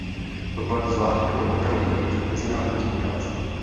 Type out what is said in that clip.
To platí zvláště pro ochranu údajů při mezinárodní spolupráci.